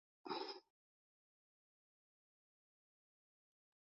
Niagara Falls es una ciudad fronteriza con Canadá.